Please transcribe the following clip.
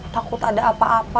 takut ada apa apa